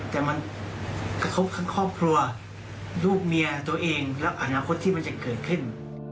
แต่มันกระทบทั้งครอบครัวลูกเมียตัวเองและอนาคตที่มันจะเกิดขึ้น